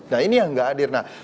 nah ini yang nggak hadir